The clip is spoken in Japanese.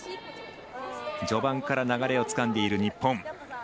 序盤から流れをつかんでいる日本。